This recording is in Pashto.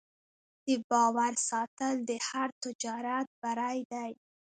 د باور ساتل د هر تجارت بری دی.